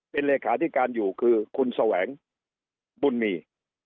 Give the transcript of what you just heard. เป็นเลขาธิการอยู่คือคุณแสวงบุญมี